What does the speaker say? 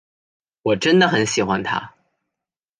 我真的很喜欢他。